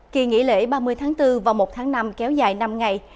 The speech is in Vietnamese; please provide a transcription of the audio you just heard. kỳ nghỉ lễ ba mươi tháng bốn và một tháng năm kéo dài năm ngày